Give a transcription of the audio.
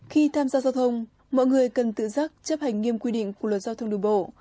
khi tham gia giao thông mọi người cần tự giác chấp hành nghiêm quy định của luật giao thông đường bộ